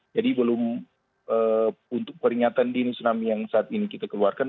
belum untuk peringatan dini tsunami yang saat ini kita keluarkan